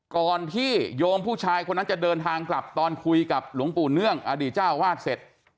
ก่อนที่โยมผู้ชายคนนั้นจะเดินทางกลับตอนคุยกับหลวงปู่เนื่องอดีตเจ้าวาดเสร็จ